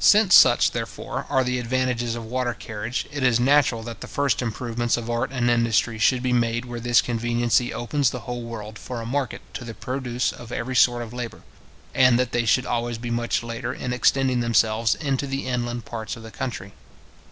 Since such, therefore, are the advantages of water carriage, it is natural that the first improvements of art and industry should be made where this conveniency opens the whole world for a market to the produce of every sort of labour, and that they should always be much later in extending themselves into the inland parts of the country.